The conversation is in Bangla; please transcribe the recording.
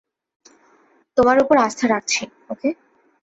তোমার ওপর আস্থা রাখছি, ওকে?